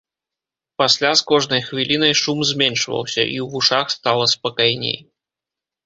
Пасля з кожнай хвілінай шум зменшваўся, і ў вушах стала спакайней.